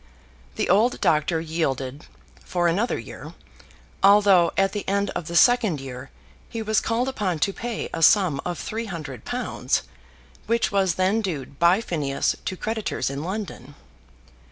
The old doctor yielded for another year, although at the end of the second year he was called upon to pay a sum of three hundred pounds, which was then due by Phineas to creditors in London.